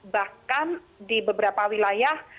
bahkan di beberapa wilayah